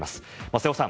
瀬尾さん